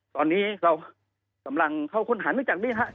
ตอนนี้เรากำลังเข้าค้นหันจากนี้ครับ